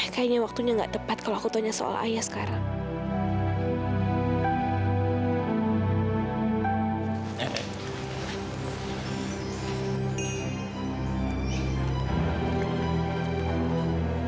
kayaknya waktunya gak tepat kalau aku tanya soal ayah sekarang